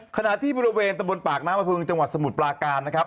ขณะที่บริเวณตะบนปากน้ำประพึงจังหวัดสมุทรปลาการนะครับ